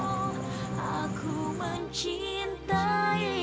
makasih dulu ya